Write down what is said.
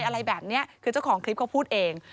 อะไรแบบนี้คือเจ้าของคลิปเขาพูดเอง